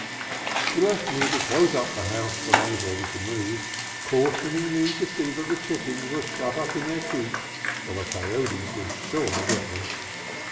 He left me to close up the house when I was ready to move, cautioning me to see that the chickens were shut in their coop, or the coyotes would surely get them.